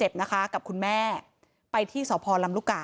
เหตุการณ์เกิดขึ้นแถวคลองแปดลำลูกกา